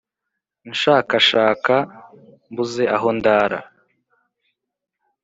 Nshakashaka mbuze aho ndara